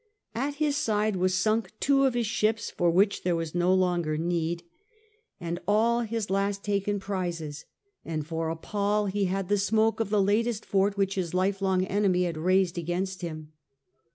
At his side were sunk two of his ships for which there was no longer need and XIII A SEA KING'S GRA VE 209 all his last taken prizes, and for a pall he had the smoke of the latest fort which his life long enemy had raised against him.